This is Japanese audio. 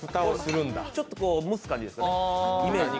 ちょっとこう、蒸す感じですね、イメージ。